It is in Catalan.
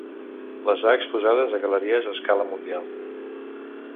Les ha exposades a galeries a escala mundial.